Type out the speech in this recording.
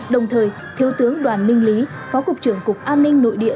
đồng thời thiếu tướng đoàn minh lý phó cục trưởng cục an ninh nội địa